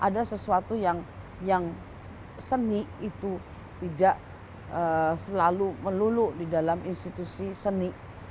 ada sesuatu yang seni itu tidak selalu melulu di dalam institusi seni